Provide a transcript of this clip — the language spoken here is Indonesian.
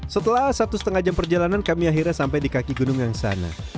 setelah satu setengah jam perjalanan kami akhirnya sampai di kaki gunung yang sana